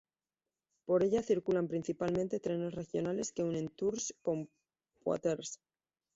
Por ella circulan principalmente trenes regionales que unen Tours con Poitiers.